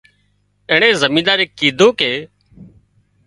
اينڻي زمينۮار نين ڪيڌوون ڪي